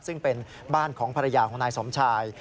ซึ่งเป็นบ้านของภรรยาของนายสมชาย